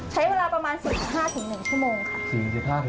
ใช้เวลาประมาณ๔๕๑ชั่วโมงค่ะ